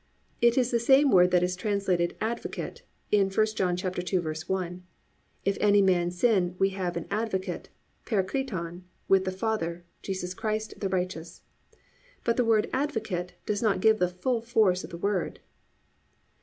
It is the same word that is translated "advocate" in 1 John 2:1, +"If any man sin, we have an advocate+ (parakleton) +with the Father, Jesus Christ the righteous."+ But the word "Advocate" does not give the full force of the word.